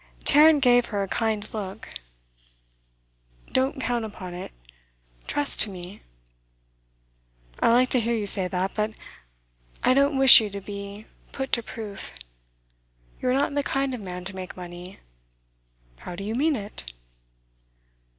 Tarrant gave her a kind look. 'Don't count upon it. Trust to me.' 'I like to hear you say that, but I don't wish you to be put to proof. You are not the kind of man to make money.' 'How do you mean it?